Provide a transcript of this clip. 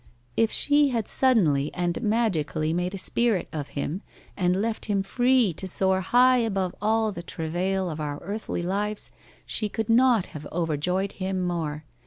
If she had suddenly and magically made a spirit of him and left him free to soar high above all the travail of our earthly lives she could not have overjoyed him more.